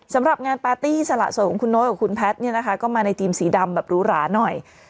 สำหรับงานปาร์ตี้สละโสดของคุณโน๊ตกับคุณแพทย์เนี่ยนะคะก็มาในทีมสีดำแบบหรูหราหน่อย